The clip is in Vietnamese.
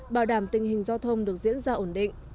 bảo đảm tình hình giao thông được diễn ra ổn định